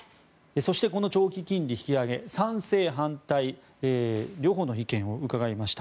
そして、この長期金利引き上げ賛成・反対、両方の意見を伺いました。